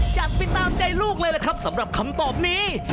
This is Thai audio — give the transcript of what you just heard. จัดไปตามใจลูกเลยล่ะครับสำหรับคำตอบนี้